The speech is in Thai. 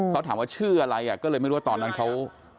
เขาถามว่าชื่ออะไรก็เลยไม่รู้ว่าตอนนั้นเขา